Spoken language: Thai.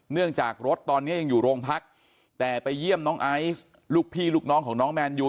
เนื่องจากรถตอนนี้ยังอยู่โรงพักแต่ไปเยี่ยมน้องไอซ์ลูกพี่ลูกน้องของน้องแมนยู